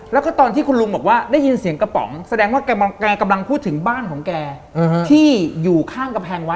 แล้วก็ตอนที่คุณลุงบอกว่าได้ยินเสียงกระป๋องแสดงว่าแกกำลังพูดถึงบ้านของแกที่อยู่ข้างกำแพงวัด